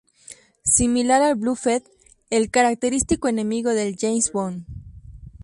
Similar al de Blofeld, el característico enemigo de James Bond.